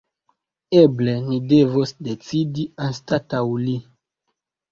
Eble ni devos decidi anstataŭ li.